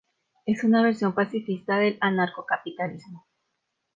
Es una versión pacifista del anarcocapitalismo.